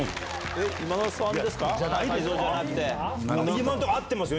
今田さんです？